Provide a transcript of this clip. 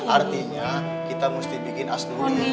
artinya kita mesti bikin asduli